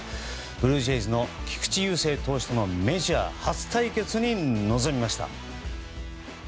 ブルージェイズの菊池雄星投手とのメジャー初対決に臨みました。